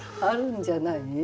あるんじゃない？